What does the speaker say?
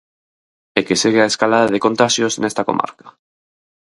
E que segue a escalada de contaxios nesta comarca.